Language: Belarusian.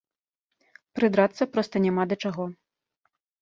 Прыдрацца проста няма да чаго.